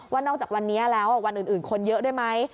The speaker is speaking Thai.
ว่านอกจากวันนี้แล้ววันอื่นคนเยอะด้วยไหม